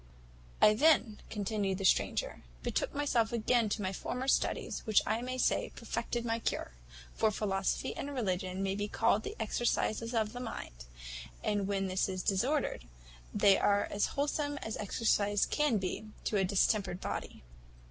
"I then," continued the stranger, "betook myself again to my former studies, which I may say perfected my cure; for philosophy and religion may be called the exercises of the mind, and when this is disordered, they are as wholesome as exercise can be to a distempered body.